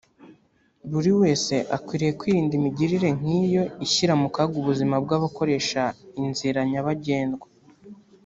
Buri wese akwiriye kwirinda imigirire nk’iyo ishyira mu kaga ubuzima bw’abakoresha inzira nyabagendwa